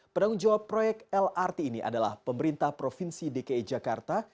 penanggung jawab proyek lrt ini adalah pemerintah provinsi dki jakarta